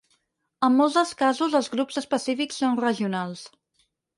En molts de casos els grups específics són regionals.